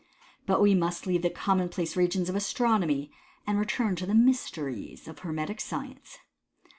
Uai we must leave the common place regions of astronomy, tod return to the mysteries of hermetic science.